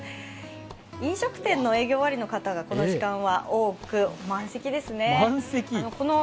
飲食店の営業終わりの方がこの時間は多く、満席ですね。